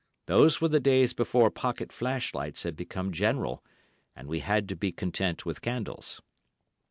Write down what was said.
Those were the days before pocket flashlights had become general, and we had to be content with candles.